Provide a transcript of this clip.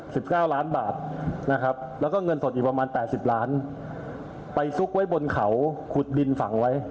สรุปสะสมเงินสะสมทองนะคะ